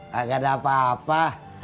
gak ada apa apa